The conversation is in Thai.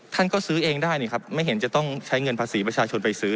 ท่านก็ซื้อเองได้นี่ครับไม่เห็นจะต้องใช้เงินภาษีประชาชนไปซื้อ